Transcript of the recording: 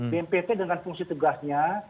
bmpt dengan fungsi tegasnya